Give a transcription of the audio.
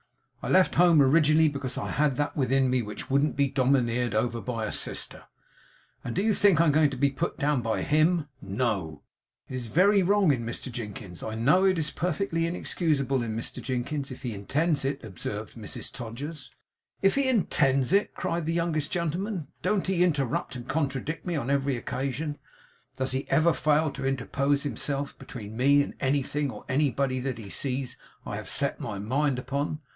I left home originally, because I had that within me which wouldn't be domineered over by a sister; and do you think I'm going to be put down by HIM? No.' 'It is very wrong in Mr Jinkins; I know it is perfectly inexcusable in Mr Jinkins, if he intends it,' observed Mrs Todgers 'If he intends it!' cried the youngest gentleman. 'Don't he interrupt and contradict me on every occasion? Does he ever fail to interpose himself between me and anything or anybody that he sees I have set my mind upon?